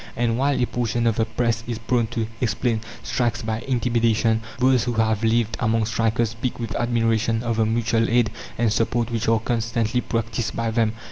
And while a portion of the Press is prone to explain strikes by "intimidation," those who have lived among strikers speak with admiration of the mutual aid and support which are constantly practised by them.